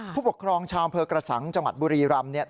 ผู้ปกครองชาวเมืองเกษังจังหวัดบุรีรำ